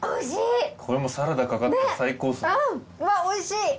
おいしい！